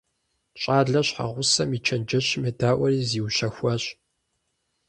ЩӀалэр щхьэгъусэм и чэнджэщым едаӀуэри зиущэхуащ.